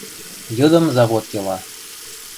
Йыдым завод йыла.